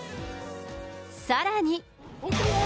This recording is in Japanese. さらに。